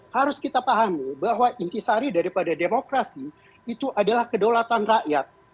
harus kita pahami bahwa inti sari daripada demokrasi itu adalah kedaulatan rakyat